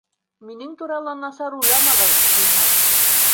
Минең турала насар уйламағыҙ, зинһар